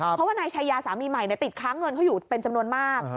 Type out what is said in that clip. เพราะว่านายชายาสามีใหม่ติดค้างเงินเขาอยู่เป็นจำนวนมาก